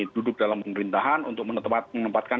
duduk dalam pemerintahan untuk menempatkan